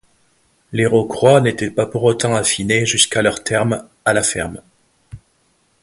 Les rocroi n'étaient pas pour autant affinés jusqu'à leur terme à la ferme.